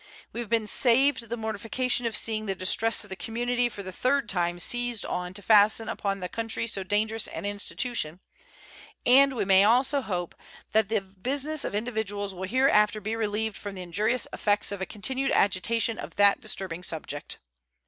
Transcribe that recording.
We have been saved the mortification of seeing the distresses of the community for the third time seized on to fasten upon the country so dangerous an institution, and we may also hope that the business of individuals will hereafter be relieved from the injurious effects of a continued agitation of that disturbing subject.